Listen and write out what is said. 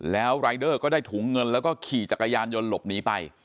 แล้วรายเดอร์ก็ได้ถุงเงินแล้วก็ขี่จักรยานยนต์หลบหนีไป